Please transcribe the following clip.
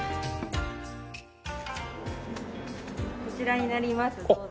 こちらになりますどうぞ。